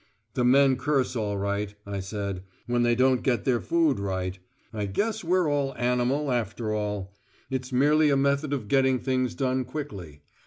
"The men curse all right," I said, "when they don't get their food right. I guess we're all animal, after all. It's merely a method of getting things done quickly.